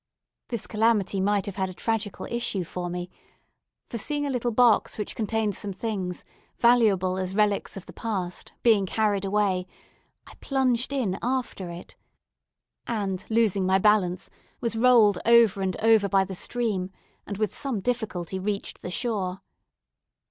This calamity might have had a tragical issue for me, for seeing a little box which contained some things, valuable as relics of the past, being carried away, I plunged in after it, and losing my balance, was rolled over and over by the stream, and with some difficulty reached the shore.